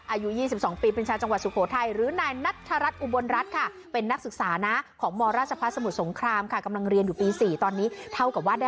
อายุ๒๒ปีเป็นชาติจังหวัดสุโภธัย